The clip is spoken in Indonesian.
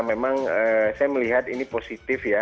memang saya melihat ini positif ya